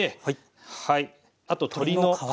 あと鶏の皮。